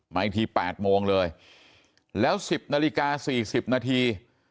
อีกที๘โมงเลยแล้ว๑๐นาฬิกา๔๐นาที